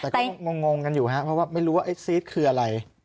แต่ก็งงกันอยู่ครับเพราะว่าไม่รู้ว่าไอ้ซีสคืออะไร